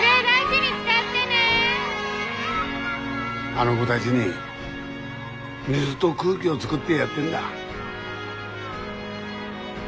あの子だぢに水ど空気を作ってやってんだ。